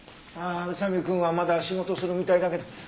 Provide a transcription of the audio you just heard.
ああ宇佐見くんはまだ仕事するみたいだけど。